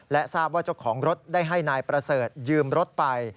และทราบว่าเจ้าของรถได้ให้นายประเสริฐยืมรถไป